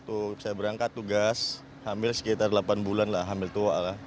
waktu saya berangkat tugas hamil sekitar delapan bulan lah hamil tua lah